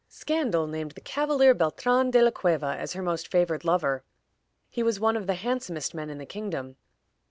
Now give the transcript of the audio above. Scandal named the Cavalier Beltran de la Cueva as her most favored lover. He was one of the handsomest men in the kingdom.